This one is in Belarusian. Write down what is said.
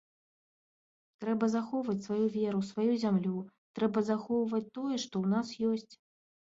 Трэба захоўваць сваю веру, сваю зямлю, трэба захоўваюць тое, што ў нас ёсць.